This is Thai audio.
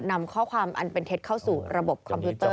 นำข้อความอันเป็นเท็จเข้าสู่ระบบคอมพิวเตอร์